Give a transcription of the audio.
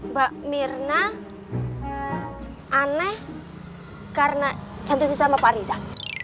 mbak mirna aneh karena cantik cantik sama pak riza